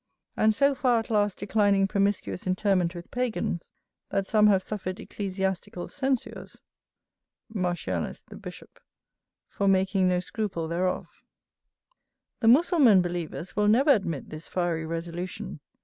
And so far at last declining promiscuous interment with Pagans, that some have suffered ecclesiastical censures,[AI] for making no scruple thereof. [AI] Martialis the Bishop. The Mussulman believers will never admit this fiery resolution.